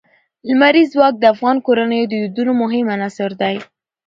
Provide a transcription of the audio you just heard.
لمریز ځواک د افغان کورنیو د دودونو مهم عنصر دی.